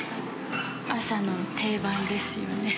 朝の定番ですよね。